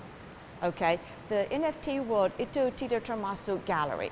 dunia nft itu tidak termasuk galeri